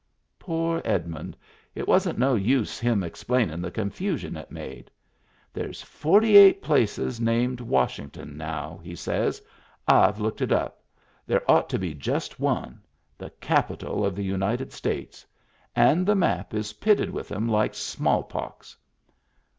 Poor Edmund! It wasn't na use him ex plainin' the confusion it made. " There's forty eight places named Washington now," isays he. " I've looked it up. There ought to be just one. The capital of the United States. And the map is pitted with 'em like smallpox."